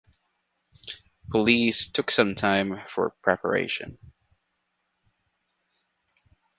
Police took some time for preparation.